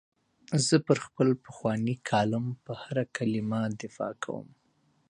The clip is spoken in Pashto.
زه پر خپل پخواني کالم پر هره کلمه دفاع کوم.